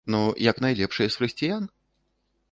Ну, як найлепшыя з хрысціян?